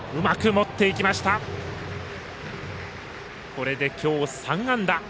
これで今日３安打。